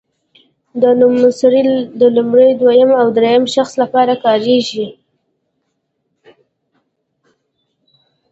دا نومځري د لومړي دویم او دریم شخص لپاره کاریږي.